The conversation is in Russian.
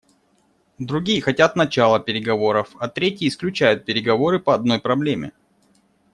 Другие хотят начала переговоров, а третьи исключают переговоры по одной проблеме.